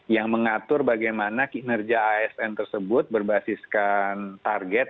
yang mengatur bagaimana kinerja asn tersebut berbasiskan target